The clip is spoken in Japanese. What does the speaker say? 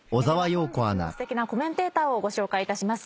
では本日のすてきなコメンテーターをご紹介いたします。